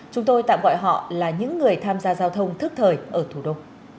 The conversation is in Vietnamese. chúng tôi tạm gọi họ là những người tham gia giao thông thức thời ở thủ đô